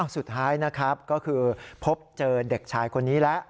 สุดท้ายนะครับก็คือพบเจอเด็กชายคนนี้แล้ว